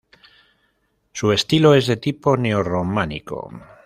Su estilo es de tipo neo-románico.